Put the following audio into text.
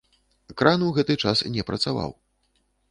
Кран у гэты час не працаваў.